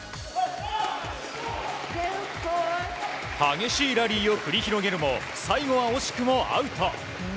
激しいラリーを繰り広げるも最後は惜しくもアウト。